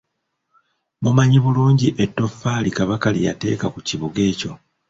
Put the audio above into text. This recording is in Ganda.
Mumanyi bulungi ettoffaali Kabaka lye yateeka ku kibuga ekyo.